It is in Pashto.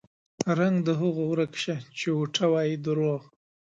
رنګ د هغو ورک شه چې اوټه وايي دروغ